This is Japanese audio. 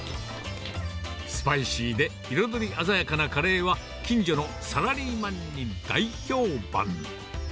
スパイシーで彩り鮮やかなカレーは、近所のサラリーマンに大評判。